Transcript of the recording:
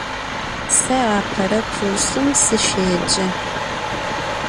Se apere kursım sışêce.